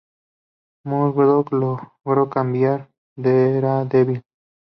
Murdock logró cambiar a Daredevil.